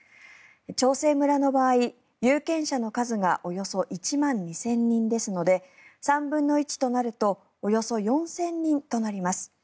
長生村の場合、有権者の数がおよそ１万２０００人ですので３分の１となるとおよそ４０００人となります。